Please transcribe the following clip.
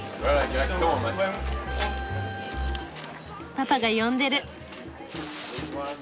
パパが呼んでる。